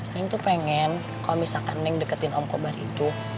neng tuh pengen kalau misalkan neng deketin om kobar itu